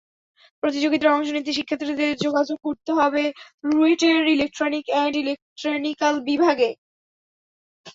প্রতিযোগিতায় অংশ নিতে শিক্ষার্থীদের যোগাযোগ করতে হবে রুয়েটের ইলেকট্রনিক অ্যান্ড ইলেকট্রিক্যাল বিভাগে।